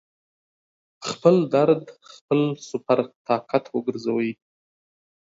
خپل درد خپل سُوپر طاقت وګرځوئ